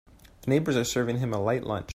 The neighbors are serving him a light lunch.